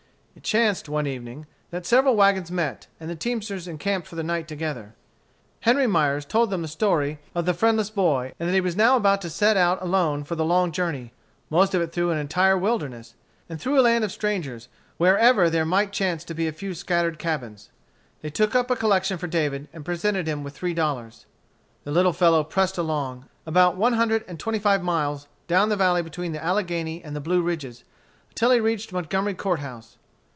It chanced, one evening, that several wagons met, and the teamsters encamped for the night together. Henry Myers told them the story of the friendless boy, and that he was now about to set out alone for the long journey, most of it through an entire wilderness, and through a land of strangers wherever there might chance to be a few scattered cabins. They took up a collection for David, and presented him with three dollars. The little fellow pressed along, about one hundred and twenty five miles, down the valley between the Alleghany and the Blue ridges, until he reached Montgomery Court House.